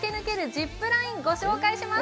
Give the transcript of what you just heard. ジップラインご紹介します。